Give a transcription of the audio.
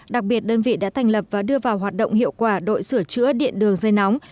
đặc biệt đơn vị đã thành lập và đưa vào hoạt động hiệu quả đội sửa chữa điện đường dây nóng